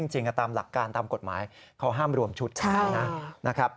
ตามหลักการตามกฎหมายเขาห้ามรวมชุดนะครับ